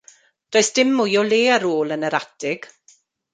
Does dim mwy o le ar ôl yn yr atig.